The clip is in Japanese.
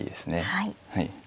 はい。